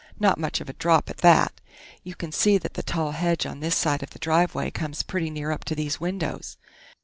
Not much of a drop at that. You can see that the tall hedge on this side of the driveway comes pretty near up to these windows....